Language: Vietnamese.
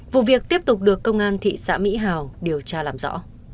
vụ việc tiếp tục được công an thị xã mỹ hào điều tra làm rõ